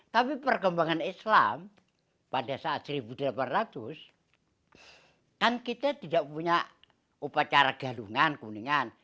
tapi perkembangan islam pada saat seribu delapan ratus kan kita tidak punya upacara galungan kuningan